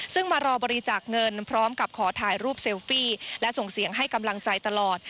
ซึ่งมารอบริจาคเงินพร้อมกับขอถ่ายรูปเซลฟี่และส่งเสียงให้กำลังใจตลอด